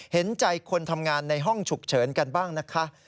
เห็นใจคนทำงานในห้องฉุกเฉินกันบ้างนะคะ